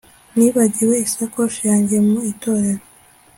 Nibagiwe isakoshi yanjye mu itorero